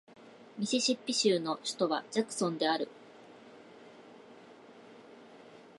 ミシシッピ州の州都はジャクソンである